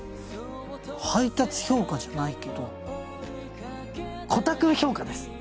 配達評価じゃないけどコタくん評価です。